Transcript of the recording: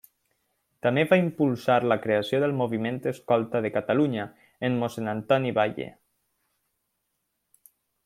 També va impulsar la creació del moviment escolta de Catalunya, amb mossèn Antoni Batlle.